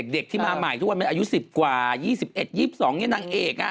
เด็กที่มาใหม่ทุกวันมันอายุ๑๐กว่า๒๑๒๒นางเอก